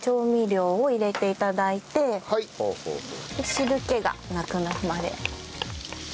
汁気がなくなるまで。